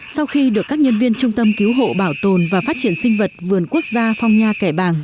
sau khi được các nhân viên trung tâm cứu hộ bảo tồn và phát triển sinh vật vườn quốc gia phong nha kẻ bàng